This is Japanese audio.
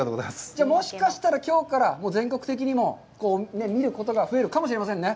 じゃあ、もしかしたら、きょうから全国的にも見ることが増えるかもしれませんね。